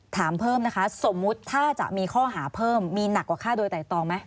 ถามเพิ่มนะคะสมมุติถ้าจะมีข้อหาเพิ่มมีหนักกว่าฆ่าโดยไตรตองไหม